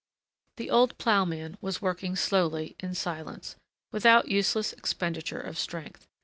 The old ploughman was working slowly, in silence, without useless expenditure of strength.